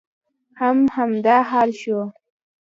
هم همدا حال شو.